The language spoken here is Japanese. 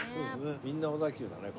みんな小田急だね